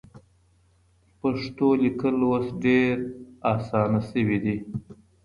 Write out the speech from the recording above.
پښتو لیکل اوس ډېر اسانه سوي دي.